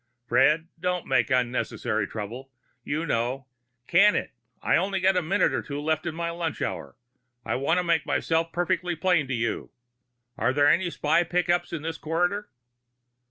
"Fred, don't make unnecessary trouble. You know " "Can it. I've only got a minute or two left of my lunch hour. I want to make myself perfectly plain with you. Are there any spy pickups in this corridor?"